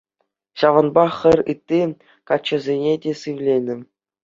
Ҫавӑнпах хӗр ытти каччӑсене те сивленӗ.